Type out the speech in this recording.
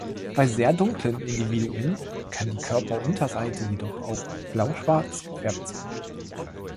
Bei sehr dunklen Individuen kann die Körperunterseite jedoch auch blauschwarz gefärbt sein.